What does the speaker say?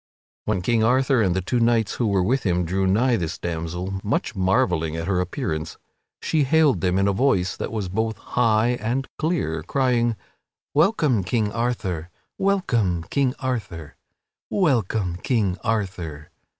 When King Arthur and the two knights who were with him drew nigh this damsel, much marvelling at her appearance, she hailed him in a voice that was both high and clear, crying: "Welcome, King Arthur! Welcome, King Arthur! Welcome, King Arthur!"